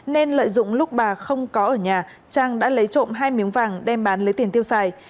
nên lợi dụng lúc bà không có ở nhà trang đã lấy trộm hai miếng vàng đem bán lấy tiền tiêu xài